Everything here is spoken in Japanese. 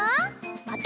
また。